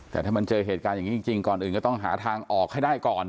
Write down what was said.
แต่ถ้ามันเจอเหตุการณ์อย่างนี้จริงก่อนอื่นก็ต้องหาทางออกให้ได้ก่อน